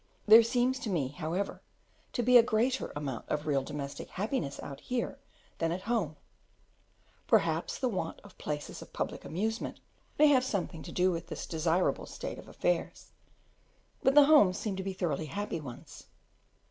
There seems to me, however, to be a greater amount of real domestic happiness out here than at home: perhaps the want of places of public amusement may have something to do with this desirable state of affairs, but the homes seem to be thoroughly happy ones.